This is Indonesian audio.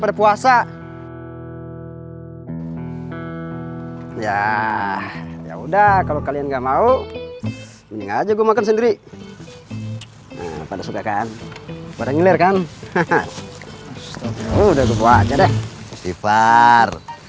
pada puasa ya ya udah kalau kalian nggak mau ini aja gue makan sendiri pada sudah kan pada ngiler